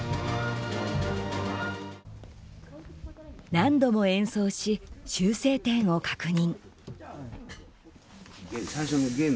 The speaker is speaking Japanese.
何度も演奏し、修正点を確認。